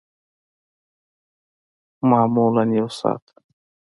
معمولاً یوه ساعت